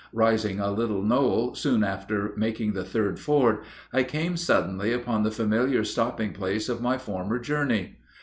Rising a little knoll soon after making the third ford, I came suddenly upon the familiar stopping place of my former journey.